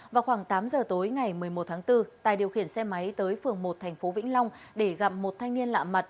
vào khoảng tám giờ tối ngày một mươi một tháng bốn tài điều khiển xe máy tới phường một thành phố vĩnh long để gặp một thanh niên lạ mặt